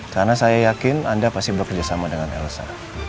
karena saya yakin anda pasti bekerja sama dengan elsa